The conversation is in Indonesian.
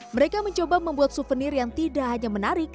mereka mencoba membuat souvenir yang tidak hanya menarik